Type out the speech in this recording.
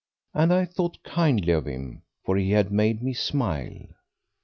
And I thought kindly of him, for he had made me smile.